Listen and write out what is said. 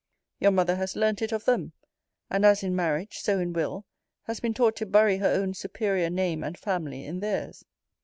Your mother has learnt it of them and as in marriage, so in will, has been taught to bury her own superior name and family in theirs.